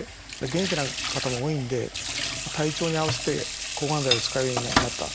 元気な方も多いんで体調に合わせて抗がん剤を使うようになった。